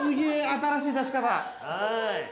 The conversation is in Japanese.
◆新しい出し方。